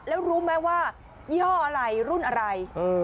แล้วรู้ไหมว่ายี่ห้ออะไรรุ่นอะไร